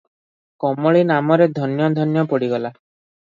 କମଳୀ ନାମରେ ଧନ୍ୟ ଧନ୍ୟ ପଡ଼ିଗଲା ।